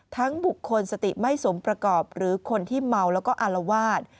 บุคคลสติไม่สมประกอบหรือคนที่เมาแล้วก็อารวาส